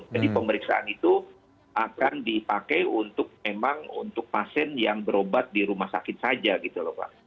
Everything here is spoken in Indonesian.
jadi pemeriksaan itu akan dipakai untuk memang untuk pasien yang berobat di rumah sakit saja gitu loh pak